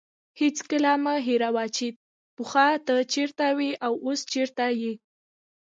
هېڅکله مه هېروه چې پخوا ته چیرته وې او اوس چیرته یې.